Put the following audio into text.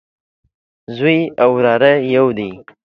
زوی او وراره يودي